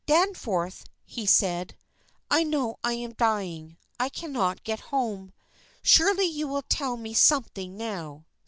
"Danforth," he said, "I know I am dying. I cannot get home. Surely you will tell me something now?